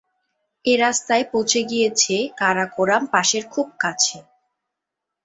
এই রাস্তা পৌঁছে গিয়েছে কারাকোরাম পাসের খুব কাছে।